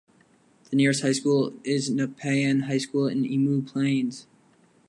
The nearest high school is Nepean High School in Emu Plains.